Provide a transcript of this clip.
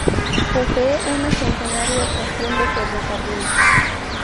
Posee una centenaria Estación de Ferrocarril.